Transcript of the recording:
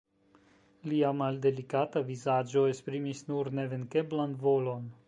Lia maldelikata vizaĝo esprimis nur nevenkeblan volon.